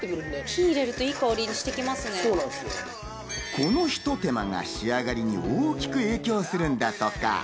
このひと手間が仕上がりに大きく影響するんだとか。